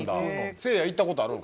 せいや行った事あるん？